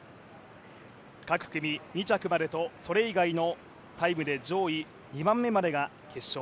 各組２着までとそれ以外のタイムで上位２番目までが決勝。